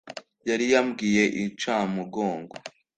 Yari yambwiye incamugongo.